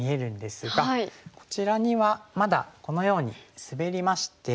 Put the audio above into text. こちらにはまだこのようにスベりまして。